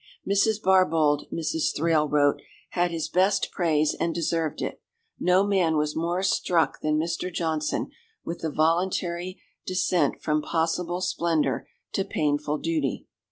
"Mrs. Barbauld," Mrs. Thrale wrote, "had his best praise, and deserved it; no man was more struck than Mr. Johnson with the voluntary descent from possible splendour to painful duty."